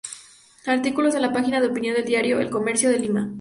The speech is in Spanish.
Artículos en la página de Opinión del diario "El Comercio", de Lima.